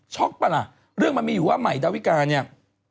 ป่ะล่ะเรื่องมันมีอยู่ว่าใหม่ดาวิกาเนี่ย